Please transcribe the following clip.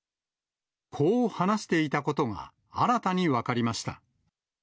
こう話していたことが新たに分かりました。